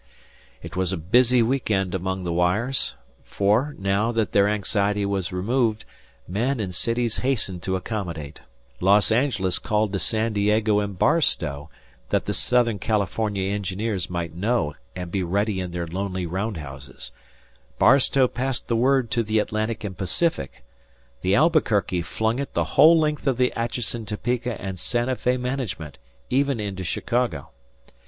It was a busy week end among the wires; for now that their anxiety was removed, men and cities hastened to accommodate. Los Angeles called to San Diego and Barstow that the Southern California engineers might know and be ready in their lonely roundhouses; Barstow passed the word to the Atlantic and Pacific; and Albuquerque flung it the whole length of the Atchinson, Topeka, and Santa Fe management, even into Chicago.